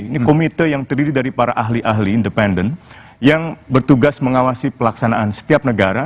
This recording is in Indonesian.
ini komite yang terdiri dari para ahli ahli independen yang bertugas mengawasi pelaksanaan setiap negara